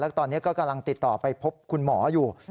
ตอนนี้ก็กำลังติดต่อไปพบคุณหมออยู่